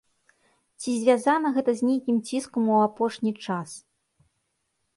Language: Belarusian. Ці звязана гэта з нейкім ціскам у апошні час?